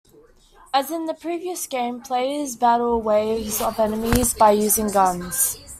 As in the previous game, players battle waves of enemies by using guns.